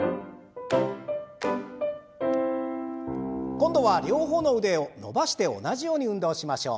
今度は両方の腕を伸ばして同じように運動をしましょう。